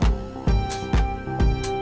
jalan atau pake motor